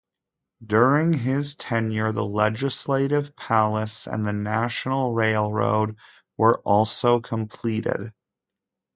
During his tenure the Legislative Palace and the national railroad were also completed.